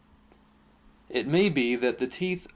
It may be that the teeth Fto.